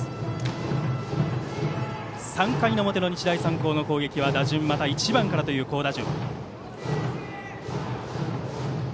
３回の表の日大三高の攻撃は打順、また１番からという好打順。